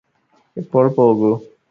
ഇപ്പോൾ പോകൂ